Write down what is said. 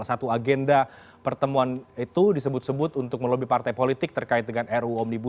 simbol partai golkar